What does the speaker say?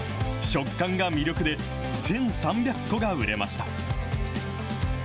食感が魅力で、１３００個が売れました。